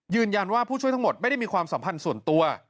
ผู้ช่วยทั้งหมดไม่ได้มีความสัมพันธ์ส่วนตัว